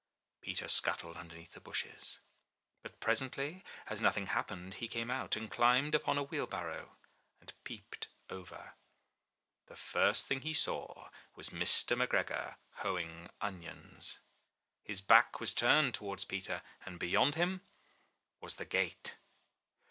Peter scuttled underneath the bushes. But presently as nothing happened, he came out, and climbed upon a wheel barrow, and peeped over. The first thing he saw was Mr. McGregor hoeing onions. His back was turned towards Peter and 190 IN THE NURSERY beyond him was the gate